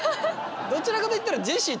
どちらかといったらジェシー